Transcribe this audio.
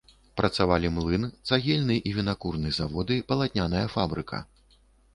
Працавалі млын, цагельны і вінакурны заводы, палатняная фабрыка.